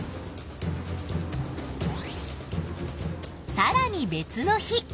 さらに別の日。